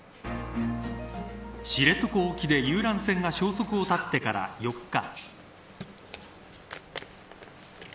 知床沖で遊覧船が消息を絶ってから４日。